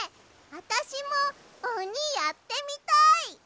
あたしもおにやってみたい！